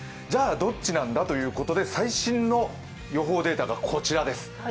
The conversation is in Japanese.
じゃあ、どっちなんだということで最新の予報データがこちらです。